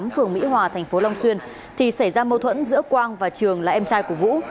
phường mỹ hòa thành phố long xuyên thì xảy ra mâu thuẫn giữa quang và trường là em trai của vũ